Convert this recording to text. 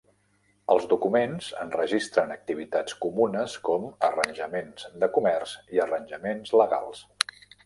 Els documents enregistren activitats comunes com arranjaments de comerç i arranjaments legals.